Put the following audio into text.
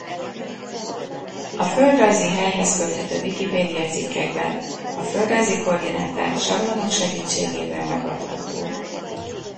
A földrajzi helyhez köthető Wikipédia cikkekben a földrajzi koordináták sablonok segítségével megadhatók.